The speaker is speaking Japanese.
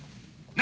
何？